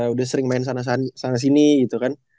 udah sering main sana sini gitu kan